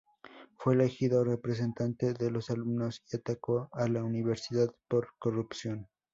Fue elegido representante de los alumnos y atacó a la universidad por corrupción.